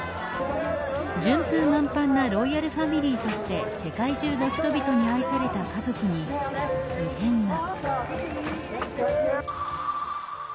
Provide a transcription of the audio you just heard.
順風満帆なロイヤルファミリーとして世界中の人々に愛された家族に異変が。